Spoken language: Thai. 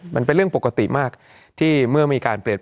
มันเป็นเรื่องปกติมากที่เมื่อมีการเปลี่ยน